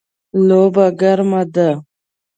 لوبه ګرمه ده